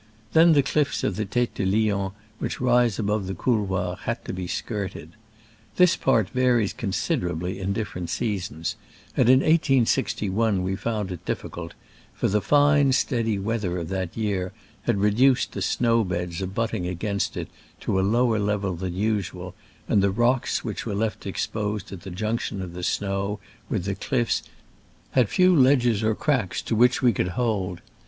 Then the cliffs of the Tete du Lion, which rise above the couloir, had to be skirted. This part varies con siderably in different seasons, and in 1 861 we found it difficult, for the fine steady weather of that year had reduced the snow beds abutting against it to a lower level than usual, and the rocks which were left exposed at the junction of the snow with the cliffs had few ledges or cracks to which we could Digitized by Google SC^RAMBLES AMONGST THE ALPS IN i86<> '69. 41 hold.